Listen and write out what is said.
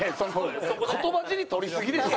言葉尻取りすぎでしょ。